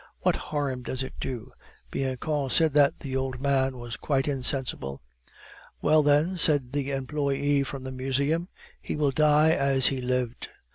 "What harm does it do? Bianchon said that the old man was quite insensible." "Well, then," said the employe from the Museum, "he will die as he has lived."